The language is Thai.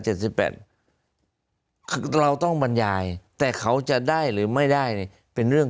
เจ็ดสิบแปดคือเราต้องบรรยายแต่เขาจะได้หรือไม่ได้เป็นเรื่อง